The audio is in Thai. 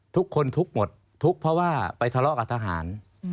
ทุกคนทุกข์หมดทุกข์เพราะว่าไปทะเลาะกับทหาร